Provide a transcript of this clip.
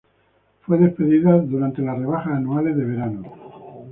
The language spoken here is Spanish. Fue despedida durante las rebajas anuales de verano.